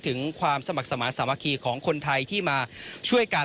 ถึงความสมัครสมาธิสามัคคีของคนไทยที่มาช่วยกัน